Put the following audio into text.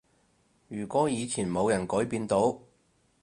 如果以前冇人改變到